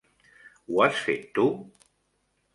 Ho has fet tu?